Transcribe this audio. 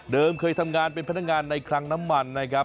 เคยทำงานเป็นพนักงานในคลังน้ำมันนะครับ